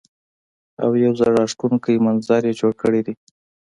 او يو زړۀ راښکونکے منظر يې جوړ کړے دے ـ